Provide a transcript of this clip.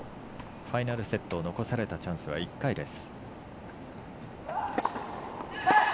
ファイナルセット残されたチャンスは１回です。